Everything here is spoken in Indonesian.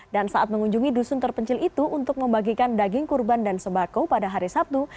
dan saat mengunjungi dusun terpencil itu untuk membagikan daging kurban dan sembako pada hari sabtu